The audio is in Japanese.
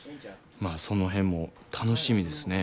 まあその辺も楽しみですね。